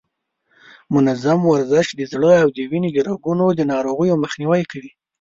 منظم ورزش د زړه او د وینې د رګونو د ناروغیو مخنیوی کوي.